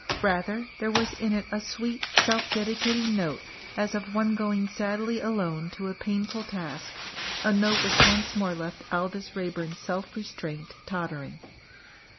Rather there was in it a sweet self dedicating note as of one going sadly alone to a painful task, a note which once more left Aldous Raeburn's self restraint tottering.